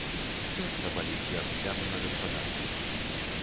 Сэрца баліць, як гляну на гаспадарку.